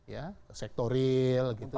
ya sektoril gitu